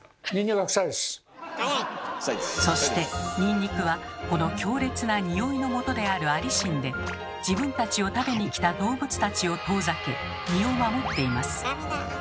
そしてニンニクはこの強烈なニオイのもとであるアリシンで自分たちを食べにきた動物たちを遠ざけ身を守っています。